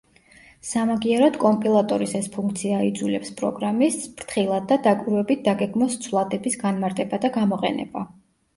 სამაგიეროდ კომპილატორის ეს ფუნქცია აიძულებს პროგრამისტს ფრთხილად და დაკვირვებით დაგეგმოს ცვლადების განმარტება და გამოყენება.